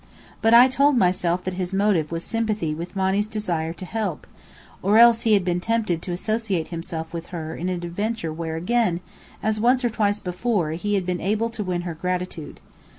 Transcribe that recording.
But I told myself that his motive was sympathy with Monny's desire to help: or else he had been tempted to associate himself with her in an adventure where again, as once or twice before, he had been able to win her gratitude.